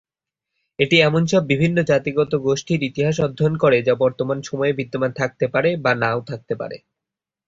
এটি এমন সব বিভিন্ন জাতিগত গোষ্ঠীর ইতিহাস অধ্যয়ন করে যা বর্তমান সময়ে বিদ্যমান থাকতে পারে বা নাও থাকতে পারে।